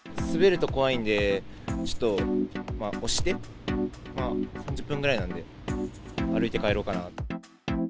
滑ると怖いんで、ちょっと押して、３０分ぐらいなんで、歩いて帰ろうかなと。